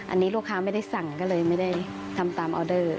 อันนี้ลูกค้าไม่ได้สั่งก็เลยไม่ได้ทำตามออเดอร์